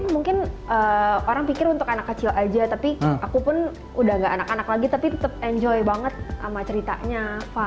mungkin orang pikir untuk anak kecil aja tapi aku pun udah gak anak anak lagi tapi tetap enjoy banget sama ceritanya